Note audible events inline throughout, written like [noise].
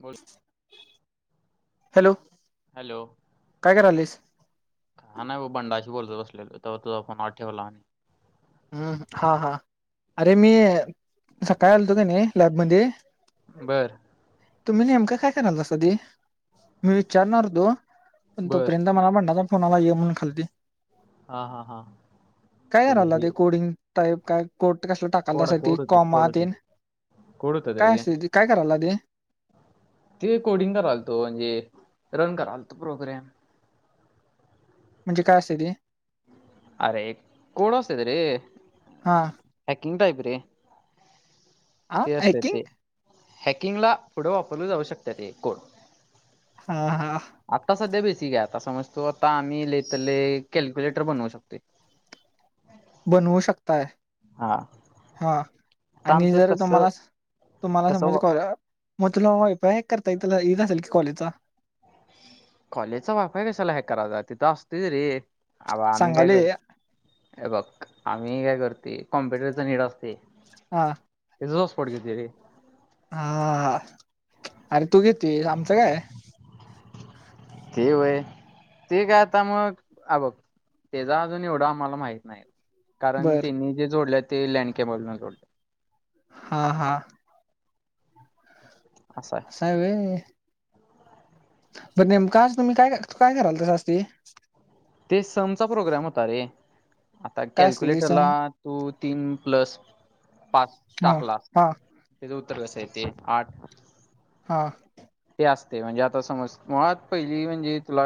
बोल. Hello. Hello. काय करायलीस? हा नाही बा बंडाशी बोलत बसलेलो तवर तुझा फोन आ ठेवला आणि हम्म हा हा अरे मी सकाळी आलतो कणी लॅबमध्ये बरं. तुम्ही नेमकां काय करालतासा ते मी विचारणार होतो पण तो बर पर्यंत मला बंडाचा फोन आला ये म्हणून खालदी. हा हा हा ते कोडिंग टाईप काय कोट कसल टाकाल कोड तासा ते कोड होत कॉमा कोड होत तेन कोड होत काय रे असतय ते काय करालता ते? ते कोडिंग करालतो म्हणजे रन करालतो प्रोग्रॅम. म्हणजे काय असतय ते? अरे कोड असत्यात ते हा हॅकिंग टाईप रे. हा ते असते हॅकिंग ते हॅकिंगला पुढं वापरल जाऊ शकतात ते कोड. हा हा. आता सध्या बेसिक आहे आता समज तो आता आम्ही ले तर ले कॅल्क्युलेटर बनवू शकतोय. बनवू शकताय? हा. हा आणि आमचं जर कसं तुम्हाला तुम्हाला समज कसं मग तुला वायफाय हॅक करता येत असल की कॉलेजचा? कॉलेजचा वायफाय कशाला हॅक कराचा तिथं असतयच रे अबग आम्ही काय कर सांगालोय हे बघ आम्ही काय करतोय कॉम्प्युटरचा हेड असतय हा. तेज हॉटस्पॉट घेतोय रे. हा अरे तू घेतोयस. आमचं काय? ते होय. ते काय आता मग अ बघ तेचा अजून एवढं आम्हाला माहीत नाही. कारण बर त्यांनी जे जोडल्यात ते लँन केबलन जोड हा हा. अस हाय. असं हाय वय. पण नेमक आज तुम्ही काय काय करालतास ते? ते समचा प्रोग्राम होता रे. आता काय असते ते कॅल्क्युलेटरला सम तू तीन प्लस पाच हा टाकलास हा त्याचं उत्तर कसं येतंय आठ. हा. ते असते म्हणजे आता समज मुळात पहिली म्हणजे तुला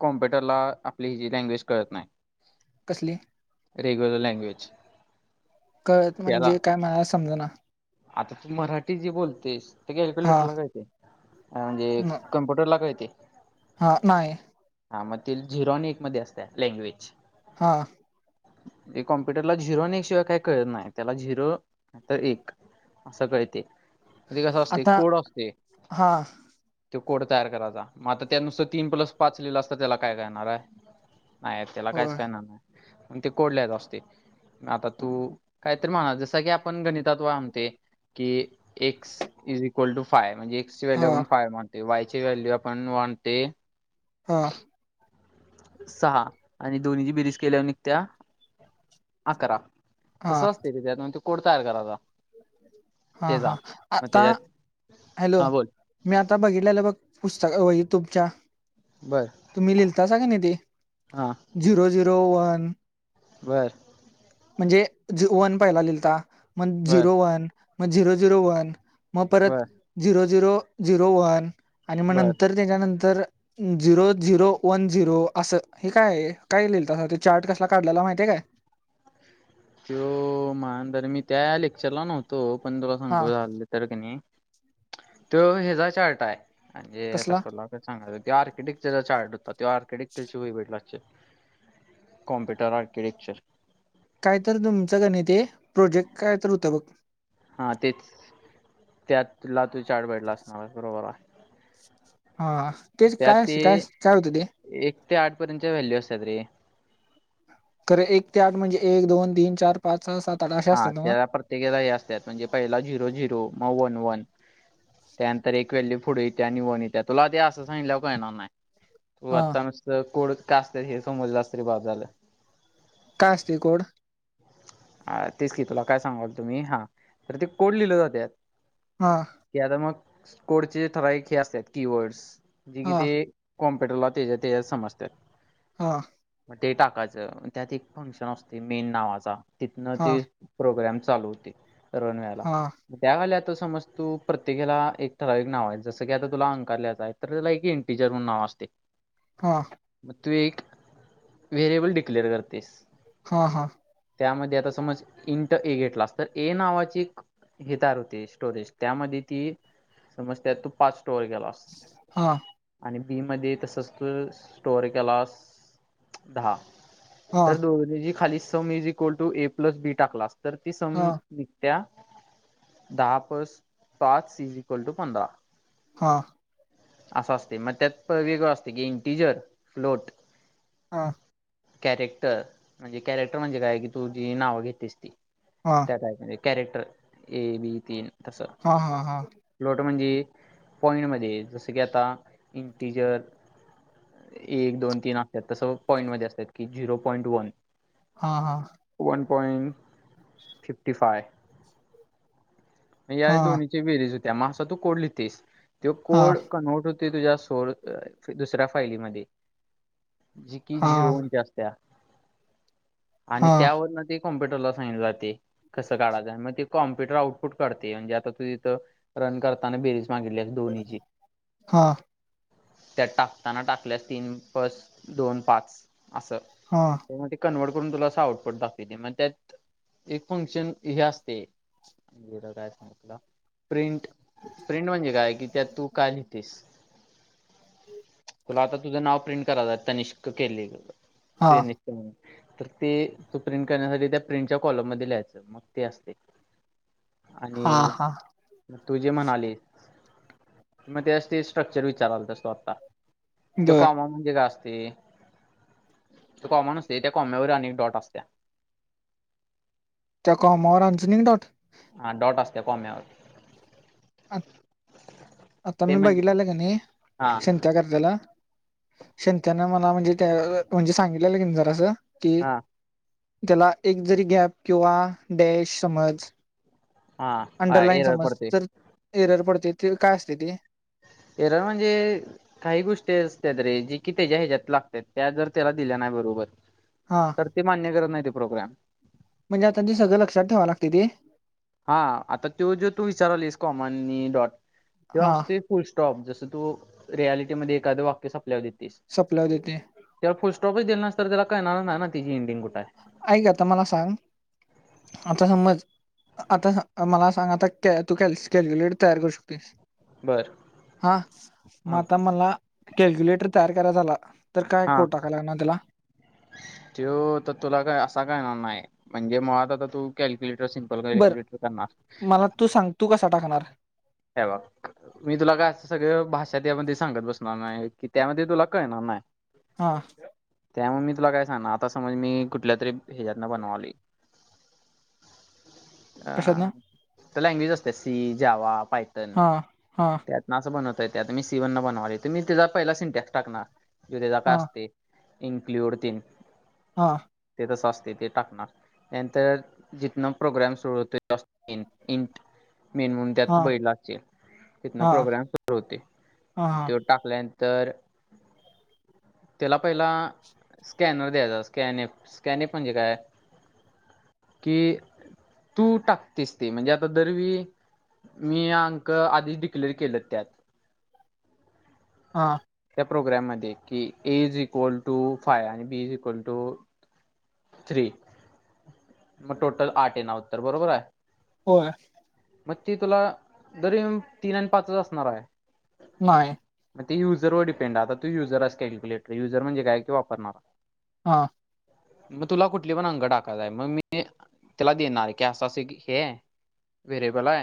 कॉम्प्युटर ला आपली हि जी लँग्वेज कळत नाही. कसली? रेग्युलर लँग्वेज कळत त्याला म्हणजे काय मला समज ना? आता तू मराठी जे बोलतेस ते हा कॅल्क्युलेटरला काळते? म्हणजे न कम्प्युटरला काय ते? हा नाही. हा मग ते झिरोनिक मध्ये असत लँग्वेज. हा हे कॉम्प्युटरला झिरो आणि एक शिवाय काही कळत नाही त्याला झिरो तर एक असं कळते म्हणजे कसं असते आता कोड असते. हा. तो कोड तयार करायचा, मग आता त्यानुसार तीन प्लस पाच लिहिलेलं असता त्याला काय करणार आहे? नाही त्याला काहीच होय करणार नाही पण ते कोड लिहायचा असते. आता तू कायतरी म्हणा जस की आपण गणितात वाबते की x. Is equal to five म्हणजे एक्स ची व्हल्यू हा आपण फाय चीं व्हॅल्यू मांडली आपण मांडले. हा सहा आणि दोन्हीची बेरीज केल्यावर निघत्या अकरा. हा तसं असते ते त्यात कोड तयार करायचा. हा-हा त्याचा मग आता त्याच्यात हॅलो हा बोल मी आता बघितलेलं बघ पुस्तक वही तुमच्या बर तुम्ही लिहितासा का नाही ते हा झिरो- झिरो वन. बरं म्हणजे वन पहिला लिहीलता, मग बर झिरो वन, मग झिरो झिरो वन, मग परत बर झिरो -झिरो -झिरो वन आणि मग बर नंतर त्याच्यानंतर झिरो झिरो वन झिरो असं हे काय- काय लिईल तसा ते चार्ट कसला काढलाला माहितीय काय? तो मग तर मी त्या लेक्चरला नव्हतो पण तुला सांग हा झा- तर कीं नाही, तो याचा चार्टा आहे म्हणजे आता कसला तूला. सांगय ते आर्कटेक्चर चार्ट होता. ते आर्कटक्चरची भेट ग. कम्प्युटर आर्किटेक्चर काय तर तुमचं गणित ते प्रोजेक्ट काय तर होतं बघ. हां तेच त्यातला तूला तो चार्ट भेटला असणार., बरोबर आहे. हा तेच त्यात काय, ते काय, काय होतं ते. एक ते आठ पर्यंतच्या व्हॅल्यू असतात रे. खरं एक ते आठ म्हणजे एक, दोन, तीन, चार, पाच, सहा, सात आठ असे हा असतात ना त्याला प्रत्येकदा हे असतात, म्हणजे पहिला झिरो, झिरो मग वन, वन त्यानंतर एक व्हॅल्यू पुढे येत्या नि वन येत्या तुला ते असं सांगल्याळणार नाही. तू हा आत्ता नुस्त कोड काय असत हे समजलं असतरी बास झाला. काय असते कोड? ह तेच की तुला काय सांगाल त मी हा तर ते कोड लिहिले जाते. हा. ते आता मग कोडचे ठरावीक हे असतात कीवर्डस जे कि हा ते कॉम्प्युटरला तेच्या ते समजतात. हा. मग ते टाकायचं, त्यात एक फंक्शन असतय मेन नावाचा, तिथनं हा ते प्रोग्राम चालू होतय, रणव्हायला. हा त्या गाल्या समज तू प्रत्येकीला एक ठराविक नाव हाय, जसं की आता तुला अंकार ल्याच हाय. तर त्याला एक एनटीजर म्हूणन नाव असतय. हा. मग तू एक, व्हेरिएबल डिक्लेअर करतेस. हा, हा. त्यामध्ये आता समज, इंट ए घेतलास, तर ए नावाची एक हेे तयार होतय स्टोरेज, त्यामध्ये ती समजतीया, तू पाच स्टोऱ्या केलास. हा. आणि बी मध्ये तसच तू, स्टोअर केलास दहा. हा तर दोघ जी खाली sum is equal to A plus B टाकलास तर ती सम हा त्या दहा पस पाच इज इक्वल टू पंधरा. हा. असं असतय, मग त्यात वेगळं असतय की इंटिजर फ्लोट. हा. कॅरेक्टर, म्हणजे कॅरेक्टर म्हणजे काय, की तु जी नाव घेतेस ती. हा. त्या म्हणजे, कॅरेक्टर ए बी तीन तस. हा हा हा स्लोट म्हणजे पॉइंटमध्ये, जसं की आता इंटिजर एक, दोन, तीन असत्यात, तसं पॉईंट मध्ये असत्यात की झिरो पॉईंट वन. हा, हा. वन पॉइंट, फिफ्टी फाय या हा दोन्ही ती बेरीज होतीया, म असा तू कोड लिहतीस, त्यो हा कोड कन्वर्ट होतं तुझ्या सोर, दुसऱ्या फायलीमध्ये. जी कि हा झिरो वन ची असत्या. आणि हा त्यावरून ते कॉम्प्युटरला सांगितलं जाते. कसं काढाच, मग ते कॉम्प्युटर आउटपुट काढतंय म्हणजे आता तू तथं रन करताना बेरीज मागितलीया दोनीची. हा. त्यात टाकताना टाकल्यास, तीन प्लस दोन पाच असं. हां. तर मग ते कन्व्हर्ट करून तुला अस आउटपुट दाखवतय. मग त्यात एक फंक्शन हे असतय. जिर काय सांगितला? प्रिंट, प्रिंट म्हणजे काय, की त्यात तू काय लिहितेस. तुला आता तुझं नाव प्रिंट करायच हाय, तनिष्क केलेल. हा ते नाही हम्. ते तू प्रिंट करण्यासाठी त्या प्रिंटच्या कॉलम मध्ये लिहायचं मग ते असतय. आणि हा हा म तू जे म्हणालीस, मग ते अस ते स्ट्रक्चर विचारालतास तू आता. त्यो बर कॉमा म्हणजे काय असतय, कॉमा नसतोय, त्या कोम्यावर आणि एक डॉट असतीया. त्या कॉमावर अजून एक डॉट? हा, डॉट असतीया कोम्यावर. आत, आता ते मी म्हणजे बघितल्याल कणी हा. शेंत्या कर त्याला शेंत्यान मला म्हणजे त्या म्हणजे सांगितलेलं कीनाही जरासं कि हा त्याला एक जरी गॅप किंवा डॅश समज हा हा अंडरलाईन एरर समज पडते जर एरर पडते ते काय असतय ते एरर म्हणजे काही गोष्टी असत्यात रे जे की त्याच्या ह्याच्यात लागत्यात जर त्याला दिल्या नाही बरोबर हा तर ते मान्य करत नाही प्रोग्रॅम म्हणजे आता ते सगळं लक्षात ठेवाय लागतय ते हा आता त्यो जो तू विचारलीस कॉमा नी डॉट त्यो हा असतोय फुल स्टॉप जसं तू रियालिटीमध्ये एखादं वाक्य संपल्यावर देेतीस. सपल्यावर देते त्याला फुल स्टॉपच दिला नाहीस तर त्याला काळणारचं नाही ना तिची एंडिंग कुठं हाय? ऐका आता मला सांग आता समज आता मला सांगा आता तू क कॅल्क्युलेटर तयार करू शकतोयस बर हा मग हा आता मला कॅल्क्युलेटर तयार कराय झाला तर काय हा कोड टाकाय लागणार त्याला? त्यो आता तुला काय असा कळणार न्हाय म्हणजे मुळात आता तू कॅल्क्युलेटर सी सिम्पल बर [unintelligible] करणार मला तू सांग तू कसा टाकणार? हे बघ मी तुला काय अस सगळ भाषा त्यामध्ये सांगत बसणार नाही की त्यामध्ये तुला कळणार नाही हा त्यामुळे मी तुला काय सांगणार आता समज मी कुठल्या तरी ह्याच्यातना बनवालोय [inaudible] अ ना त्या लँग्वेज असत्यात सी, जावा, पायथन हा हा त्यात ना असं बनवतयेत आता मी सी मधनं बनवलोय मी त्याचा पहिला सिंटॅक्स टाकणार जो त्याचा काय हा असतोय? इन्क्लूड तेन हा ते तसं असतय ते टाकणार त्या नंतर जीथनं प्रोग्राम सुरू केला असतोय इंट [unintelligible] हा तू बघितला अशील तिथनं हा प्रोग्राम सुरू होतोय हा त्यो टाकल्यानंतर त्याला पहिला स्कॅनर द्यायचा स्कॅन एफ स्कॅन एफ म्हणजे काय? की तू टाकतेस ते म्हणजे आता दरवेळी मी अंक आधीच डिक्लेअर केलेत त्यात हा त्या प्रोग्राममध्ये की A is equal to five आणि B is equal to three मग टोटल आठ येनार उत्तर बरोबर हाय होय मग ती तुला दर युन तीन आणि पाचंच असणार हाय नाही म ते युजर वर डिपेंड हाय आता तू युजरआहेस कॅल्कुटर युजर म्हणजे काय? की वापणारा हां मग तुला कुठली पण अंकं टाकायचाय मग मी त्याला देणार की अस अस कि हे व्हेरिएबल हाय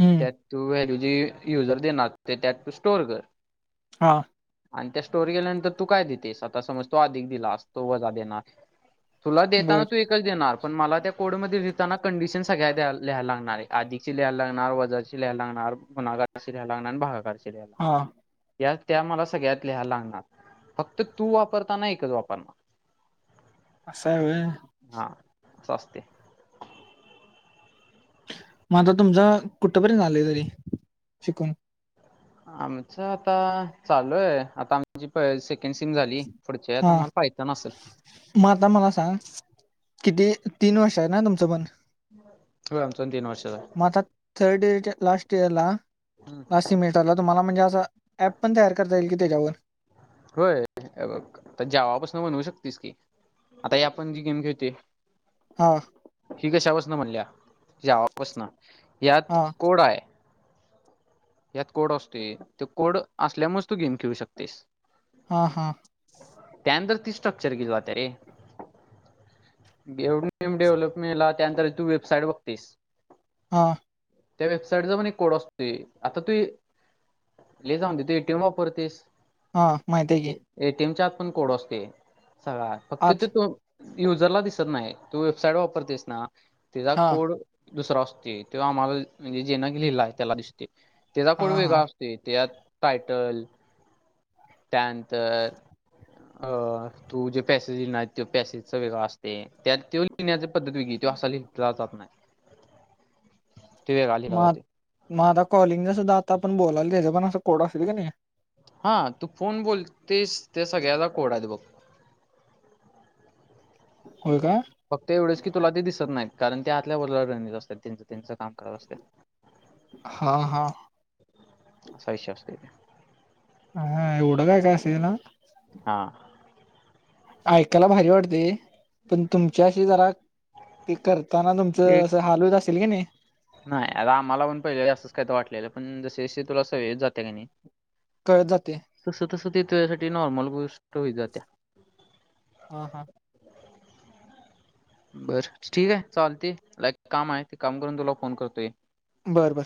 हम्म त्यात तू व्हॅल्यू जी युजर देणार ते त्यात तू स्टोर कर. हा. आणि त्या स्टोरी केल्यानंतर तू काय देतेस आता समज तो आधिक दिला तो वजा देणार. तुला बर देताना तू एकच देणार पण मला त्या कोडमध्ये देताना कंडिशन सगळ्या द्या लिहायला लागणार आहे. आधीची लियला लागणार, वजाची लियला लागणार, गुन्हागाराची लिय लागणार आणि भागाकारची लियला हा लागणार. या त्या मला सगळ्यात लिहाय लागणार फक्त तू वापरताना एकच वापरणार. असा आहे व्हय. हा अस असते. मग आता तुमचा कुठपर्यंत झालंय तरी शिकून? आमचं आता चालू आहे आता आमची प से केंड सेम झाली पुढच्या हा आम्हाला पायथन असेल. मग आता मला सांग किती तीन वर्ष आहे ना तुमचं पण? [inaudible] होय आमचा प तीन वर्षाच आहे. म आता थर्ड इयरचा लास्ट इयरला आहे. लास्ट मि तुम्हाला म्हणजे असं ऍप पण तयार करता येईल की त्याच्यावर. होय हे बघ जावापासन बनवू‌ शकतीस की. आता हे आपण जी गेम खेळते. हा. हि कशापासनं बनल्या? जावापासन यात हा कोड आहे. यात कोड असते तो कोड असल्यामुळेच तू गेम खेळू शकतेस. हा हा. त्यानंतर ती स्ट्रक्चर घिल वाता रे. एवढी ने डेव्हलपमेटला त्यानंतर तू वेबसाईट बघतेस. हा. त्या वेबसाईटचा पण एक कोड असते. आता तू ले जाऊन दे तू एटीएम वापरतेस? हा माहिती आहे की. एटीएम च्या आत पण कोड असते सगळा फक्त आत तिथु युजरला दिसत नाही. तू वेबसाईट वापरतेस ना तेझा हा कोड दुसरा असते तेव आम्हाला म्हणजे जेना लिहिला आहे त्याला दिसते त्याचा कोड हा वेगळा हा अस ते तेझात टायटल त्यानंतर अ तू जे पॅसेज लिहणार तो पॅसेजच वेगळं असते त्यात ते लिहण्याची पद्धत वेगळी, त्यो असा लिहिला जात नाही. [inaudible] ते वेगळा लिहला मग आत- जातोय. मग आता कॉलिंगचा सुद्धा आता आपण बोलाल त्याच्या पण असं कोड असेल का नाही? हा तू फोण बोलतेस ते सगळ्याला कोड आहेत बघ. होय का? फक्त एवढेच की तुला ते दिसत नाहीत कारण ते आतल्या वला रणीत असतात त्यांचं त्यांचं काम करत असते. [inaudible] हा हा. [inaudible] असा विशय असत ते. हा एवढ काय काशे ना. हा. ऐकायला भारी वाटते. पण तुमच्याशी जरा ते करताना तुमच एक अस हालवत असेल की नाही नाही आता आम्हाला पण पहिले असच काही तर वाटलेल पण जसे तुला अस वच जाते का नाही [inaudible] कळ जाते तस तस ते तिथं त्या साठी नॉर्मल गोष्ट होत जात्या हा हा बर ठीक आहे चालते मला एक काम आहे ते काम करून तुला फोन करतोय बर बर